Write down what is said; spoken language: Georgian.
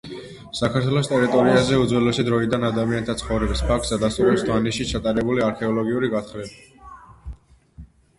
საქართველოს ტერიტორიაზე უძველესი დროიდან ადამიანთა ცხოვრების ფაქტს ადასტურებს დმანისში ჩატარებული არქეოლოგიური გათხრები